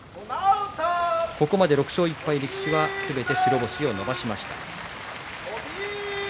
ここまで６勝１敗力士はすべて白星を伸ばしました。